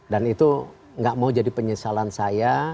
dan itu tidak mau jadi penyesalan saya